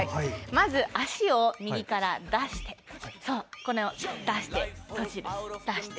まず、足を右から出して閉じる。